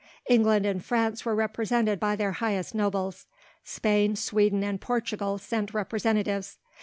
England and France were represented by their highest nobles. Spain, Sweden and Portugal sent representatives.